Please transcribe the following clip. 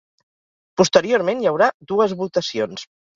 Posteriorment hi haurà dues votacions.